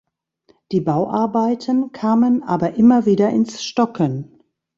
Die Bauarbeiten kamen aber immer wieder ins Stocken.